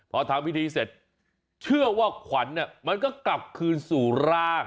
พอทำพิธีเสร็จเชื่อว่าขวัญมันก็กลับคืนสู่ร่าง